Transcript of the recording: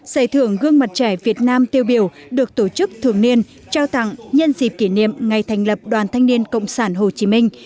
giải thưởng gương mặt trẻ việt nam tiêu biểu được tổ chức thường niên trao tặng nhân dịp kỷ niệm ngày thành lập đoàn thanh niên cộng sản hồ chí minh